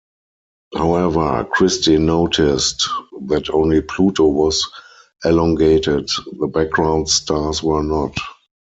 However, Christy noticed that only Pluto was elongated-the background stars were not.